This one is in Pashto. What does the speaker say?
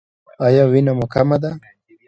ایا وینه مو کمه ده؟